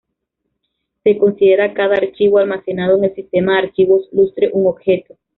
Se considera a cada archivo almacenado en el sistema de archivos Lustre un objeto.